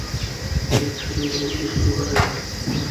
বেশ, ছবিগুলো দিয়ে শুরু করা যাক।